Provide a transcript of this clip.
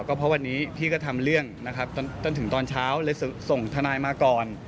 ก็เพราะวันนี้พี่ก็ทำเรื่องนะครับจนถึงตอนเช้าเลยส่งทนายมาก่อน